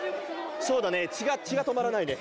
そうだね血が止まらないね。